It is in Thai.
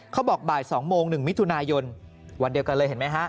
เขาบอกบ่าย๒โมง๑มิถุนายนวันเดียวกันเลยเห็นไหมฮะ